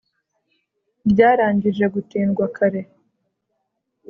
ryarangije gutindwa kare